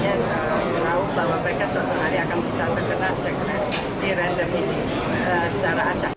jadi mereka akan selalu harusnya tahu bahwa mereka suatu hari akan bisa terkena ceknya di random ini secara acak